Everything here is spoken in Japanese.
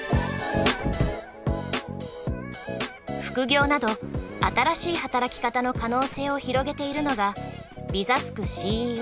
副業など新しい働き方の可能性を広げているのがビザスク